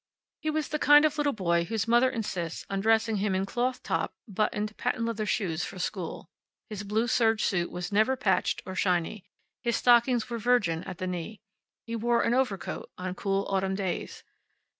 He was the kind of little boy whose mother insists on dressing him in cloth top, buttoned, patent leather shoes for school. His blue serge suit was never patched or shiny. His stockings were virgin at the knee. He wore an overcoat on cool autumn days.